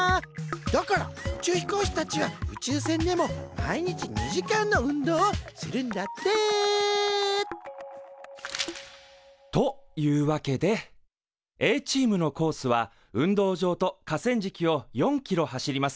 だから宇宙飛行士たちは宇宙船でも毎日２時間の運動をするんだって！というわけでＡチームのコースは運動場とかせんじきを４キロ走ります。